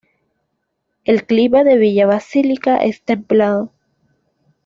El clima de Villa Basílica es templado.